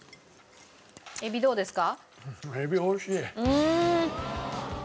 エビどうですか？